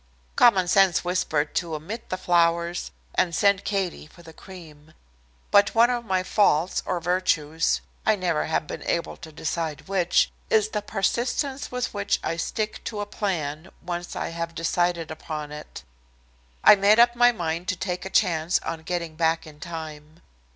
Common sense whispered to omit the flowers, and send Katie for the cream. But one of my faults or virtues I never have been able to decide which is the persistence with which I stick to a plan, once I have decided upon it. I made up my mind to take a chance on getting back in time.